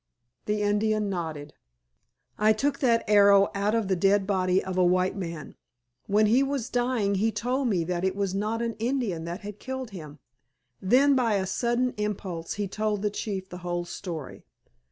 The Indian nodded. "I took that arrow out of the dead body of a white man. When he was dying he told me that it was not an Indian that had killed him." Then by a sudden impulse he told the chief the whole story.